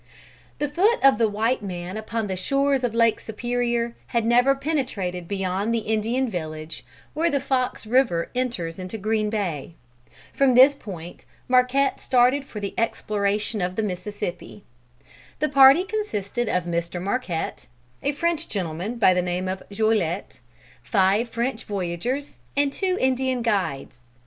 The foot of the white man upon the shores of Lake Superior, had never penetrated beyond the Indian village, where the Fox River enters into Green Bay. From this point Marquette started for the exploration of the Mississippi. The party consisted of Mr. Marquette, a French gentleman by the name of Joliete, five French voyageurs and two Indian guides.